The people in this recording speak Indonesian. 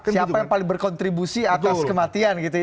siapa yang paling berkontribusi atas kematian gitu ya